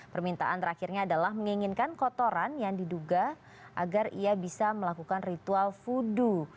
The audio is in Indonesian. permintaan terakhirnya adalah menginginkan kotoran yang diduga agar ia bisa melakukan ritual fudu